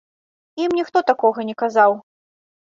Ім ніхто такога не казаў.